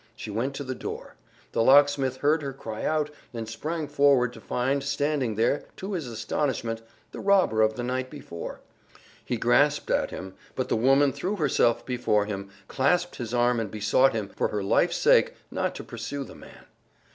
She went to the door. The locksmith heard her cry out, and sprang forward to find standing there, to his astonishment, the robber of the night before. He grasped at him, but the woman threw herself before him, clasped his arm and besought him, for her life's sake, not to pursue the man.